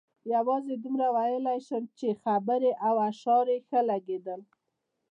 یوازې دومره ویلای شم چې خبرې او اشعار یې ښه لګېدل.